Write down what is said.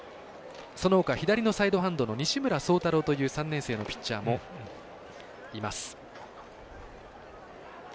そのほか、左のサイドハンドの西村壮太郎という３年生のピッチャーもいます。